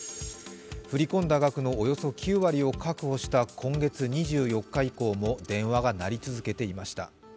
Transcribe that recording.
振り込んだ額のおよそ９割を確保した今月２４日以降も電話が鳴り続けていました。